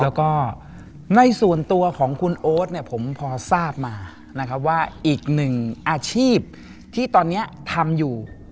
แล้วก็ในส่วนตัวของคุณโอ๊ตเนี่ยผมพอทราบมานะครับว่าอีกหนึ่งอาชีพที่ตอนนี้ทำอยู่